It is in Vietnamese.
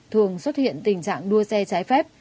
thường xuất hiện tình trạng đua xe trái phép